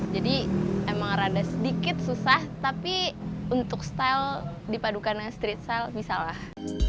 jadi emang rada sedikit susah tapi untuk style dipadukan dengan street style bisa lah